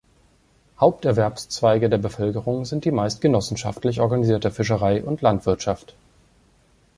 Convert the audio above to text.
Haupterwerbszweige der Bevölkerung sind die meist genossenschaftlich organisierte Fischerei und Landwirtschaft.